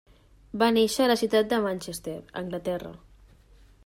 Va néixer a la ciutat de Manchester, Anglaterra.